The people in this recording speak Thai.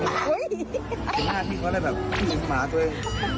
เป็นหน้าที่เขาได้แบบถึงหมาตัวเอง